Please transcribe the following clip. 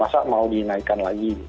masa mau dinaikkan lagi